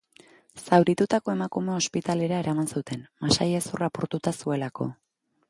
Zauritutako emakumea ospitalera eraman zuten, masailezurra apurtuta zuelako.